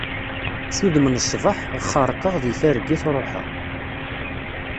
S udem n ṣṣbaḥ, xerqeɣ deg targit ṛuḥeɣ.